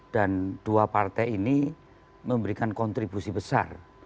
dan dua partai ini memberikan kontribusi besar